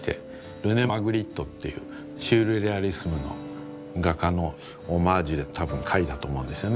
ルネ・マグリットというシュールレアリスムの画家のオマージュでたぶん描いたと思うんですよね。